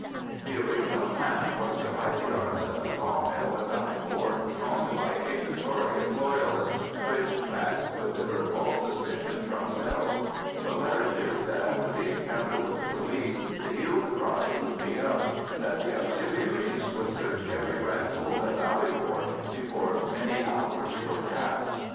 The original plan was to hide the arms in a saw mill in Ballybor, owned by a notorious loyalist, which fact would divert all suspicion from the mill; but Larry knew that after the encounter with the police the hue and cry would be up, and that the Auxiliaries would search every rat hole in Ballybor before many hours were past.